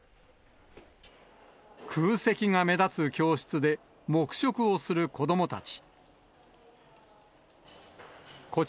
空席が目立つ教室で黙食をする子どもたち。